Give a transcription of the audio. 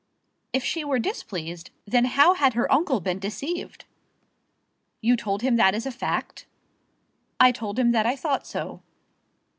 If she were displeased, then how had her uncle been deceived! "You told him that as a fact?" "I told him that I thought so."